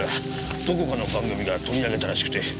どこかの番組が取り上げたらしくて。